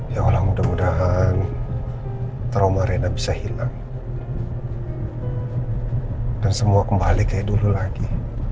ya allah mudah mudahan trauma rena bisa hilang dan semua kembali kayak dulu lagi